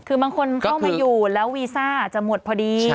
คือบางคนเข้ามาอยู่แล้ววีซ่าจะหมดพอดี